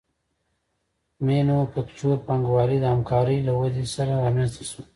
مینوفکچور پانګوالي د همکارۍ له ودې سره رامنځته شوه